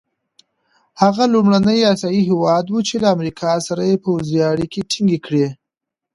هغه لومړنی اسیایي هېواد وو چې له امریکا سره یې پوځي اړیکي ټینګې کړې.